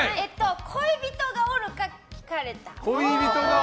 恋人がおるか聞かれた。